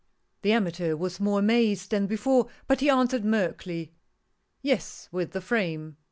" The amateur was more amazed than before, but he answered, meekly :" Yes, with the frame."